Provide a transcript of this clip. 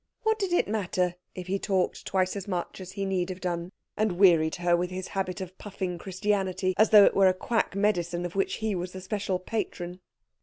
What did it matter if he talked twice as much as he need have done, and wearied her with his habit of puffing Christianity as though it were a quack medicine of which he was the special patron?